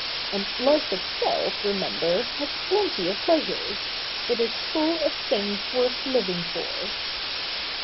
And life itself, remember, has plenty of pleasures. It is full of things worth living for.'